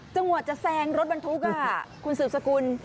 จังหวะจะแซงรถบรรทุกคุณสืบสกุล